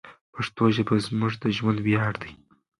پښتو ژبه زموږ د ژوند ویاړ دی.